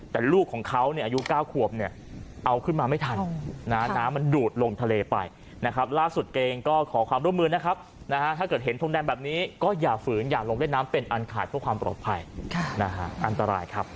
แต่ลูกของเขาเนี่ยอายุ๙ขวบเนี่ยเอาขึ้นมาไม่ทันนะน้ำมันดูดลงทะเลไปนะครับล่าสุดเองก็ขอความร่วมมือนะครับนะฮะถ้าเกิดเห็นทงแดงแบบนี้ก็อย่าฝืนอย่าลงเล่นน้ำเป็นอันขาดเพื่อความปลอดภัยอันตรายครับ